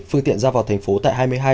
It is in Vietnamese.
phương tiện ra vào thành phố tại hai mươi hai